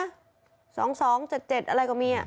๒๒๗๗อะไรก็มี